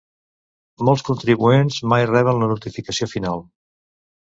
Molts contribuents mai reben la notificació final.